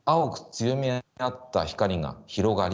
強め合った光が広がり